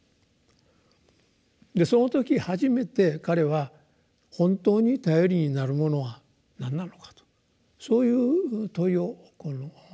その時初めて彼は本当に頼りになるものは何なのかとそういう問いを持つようになった。